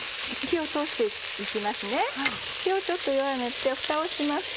火をちょっと弱めてふたをします。